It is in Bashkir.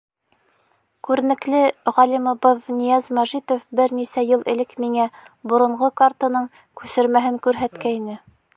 Күренекле ғалимыбыҙ Нияз Мәжитов бер нисә йыл элек миңә боронғо картаның күсермәһен күрһәткәйне.